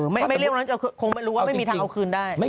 ไม่เรียกว่าคงไม่รู้ว่าไม่มีทางเอาคืนได้